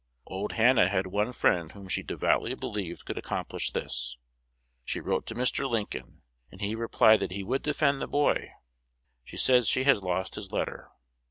Old Hannah had one friend whom she devoutly believed could accomplish this. She wrote to Mr. Lincoln, and he replied that he would defend the boy. (She says she has lost his letter.)